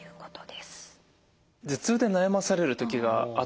頭痛で悩まされる時があったんですね